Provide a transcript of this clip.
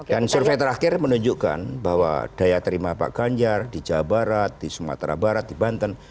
dan survei terakhir menunjukkan bahwa daya terima pak ganjar di jawa barat di sumatera barat di banten